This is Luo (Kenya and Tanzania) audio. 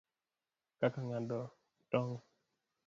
Kaka ng'ado tong',